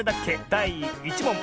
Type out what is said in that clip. だい１もん。